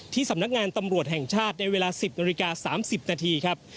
สำนักงานตำรวจแห่งชาติในเวลา๑๐นาฬิกา๓๐นาทีครับ